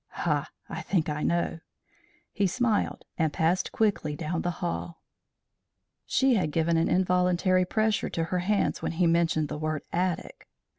Ha! I think I know," he smiled, and passed quickly down the hall. She had given an involuntary pressure to her hands when he mentioned the word attic.